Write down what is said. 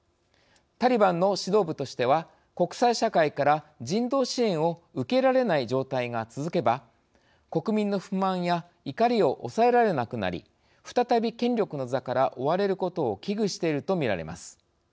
タリバンの指導部としては国際社会から人道支援を受けられない状態が続けば国民の不満や怒りを抑えられなくなり再び権力の座から追われることを危惧しているとみられます。